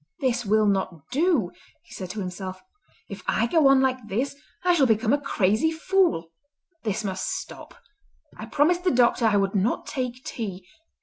"This will not do," he said to himself. "If I go on like this I shall become a crazy fool. This must stop! I promised the doctor I would not take tea.